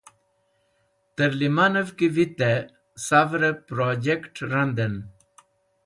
Tẽr lẽmanẽv ki vitẽ savrẽb projekt̃ randẽn.